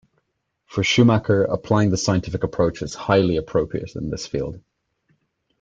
For Schumacher, applying the scientific approach is highly appropriate in this field.